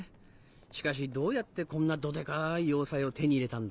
しかしどうやってこんなドデカい要塞を手に入れたんだ？